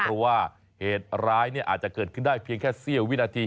เพราะว่าเหตุร้ายอาจจะเกิดขึ้นได้เพียงแค่เสี้ยววินาที